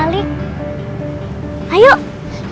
ingat nama kita sudah di bali